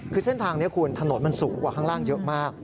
คือเส้นทางนี้คุณถนนมันสูงกว่าข้างล่างเยอะมาก